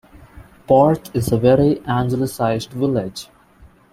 Borth is a very Anglicized village.